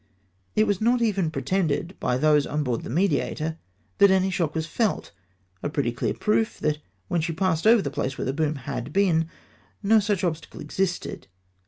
It was not even pretended by those on board the Mediator that any shock was felt ! a pretty clear proof that, when she passed over the place where the boom had been, no such obstacle existed.